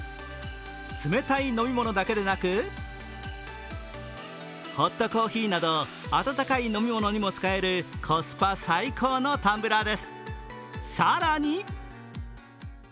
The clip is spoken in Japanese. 冷たい飲み物だけでなくホットコーヒーなど温かい飲み物にも使えるコスパ最高のタンブラーです。